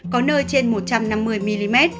có nơi trên một trăm năm mươi mm